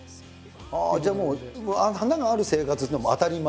じゃあもう花がある生活っていうのはもう当たり前。